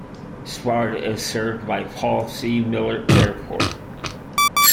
Sparta is served by Paul C. Miller Airport.